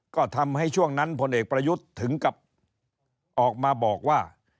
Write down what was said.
ก็ทำให้ช่วงนั้นพลเอกประยุทธ์ถึงกับออกมาบอกว่า